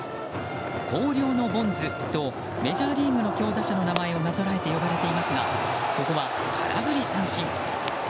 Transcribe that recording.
広陵のボンズとメジャーリーグの強打者の名前をなぞらえて呼ばれていますがここは空振り三振。